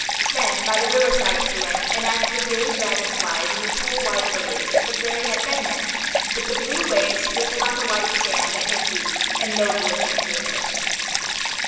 Then by the river side she went, and asked the gay dragon flies, and the cool white lilies, if the Fairy had been there; but the blue waves rippled on the white sand at her feet, and no voice answered her.